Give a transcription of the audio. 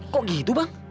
kok gitu bang